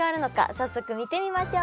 早速見てみましょう。